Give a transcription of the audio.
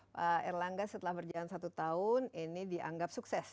pak erlangga setelah berjalan satu tahun ini dianggap sukses